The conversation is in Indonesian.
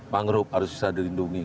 mangrub harus bisa dirindungi